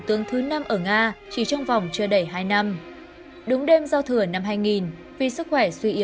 tướng thứ năm ở nga chỉ trong vòng chưa đầy hai năm đúng đêm giao thừa năm hai nghìn vì sức khỏe suy